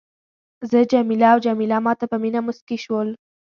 زه جميله او جميله ما ته په مینه مسکي شول.